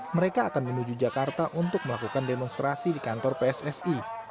mereka akan menuju jakarta untuk melakukan demonstrasi di kantor pssi